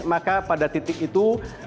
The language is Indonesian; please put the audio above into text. maka pada titik itu